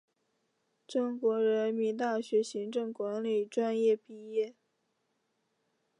中国人民大学行政管理专业毕业。